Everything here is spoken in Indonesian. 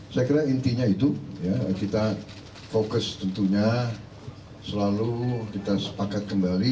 saya kira intinya itu kita fokus tentunya selalu kita sepakat kembali